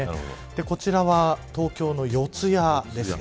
こちらは、東京の四谷ですね。